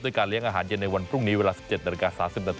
ด้วยการเลี้ยงอาหารเย็นในวันพรุ่งนี้เวลา๑๗น๓๐น